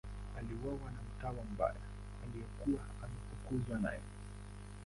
Aliuawa na mtawa mbaya aliyekuwa ameafukuzwa naye.